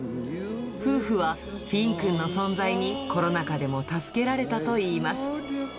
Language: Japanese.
夫婦はフィンくんの存在に、コロナ禍でも助けられたといいます。